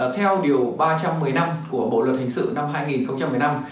theo điều ba trăm một mươi năm của bộ luật hình sự năm hai nghìn một mươi năm